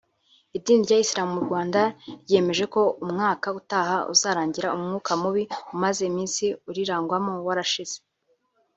Idini rya Islam mu Rwanda ryiyemeje ko umwaka utaha uzarangira umwuka mubi umaze iminsi urirangwamo warashize